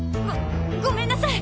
ごごめんなさい！